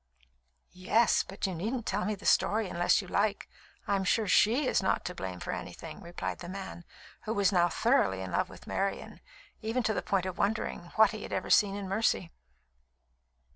"Yes; but you needn't tell me the story unless you like. I'm sure she is not to blame for anything," replied the man, who was now thoroughly in love with Marian, even to the point of wondering what he had ever seen in Mercy.